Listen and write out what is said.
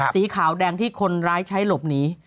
สีขาวแดงที่คนร้ายใช้หลบหนี